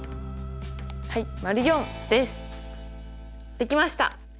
できました。